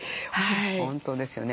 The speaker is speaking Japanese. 本当ですよね。